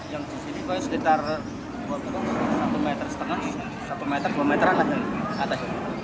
yang di sini kan sekitar satu meter setengah satu meter dua meteran ada